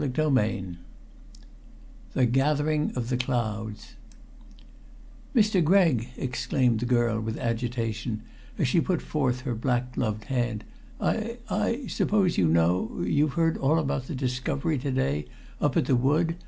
CHAPTER VI THE GATHERING OF THE CLOUDS "Mr. Gregg," exclaimed the girl with agitation, as she put forth her black gloved hand, "I I suppose you know you've heard all about the discovery to day up at the wood?